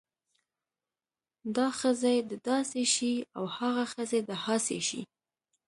دا ښځې د داسې شی او هاغه ښځې د هاسې شی